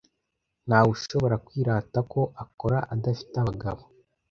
ntawe ushobora kwirata ko akora adafite abagabo